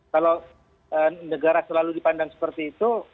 kalau negara selalu dipandang seperti itu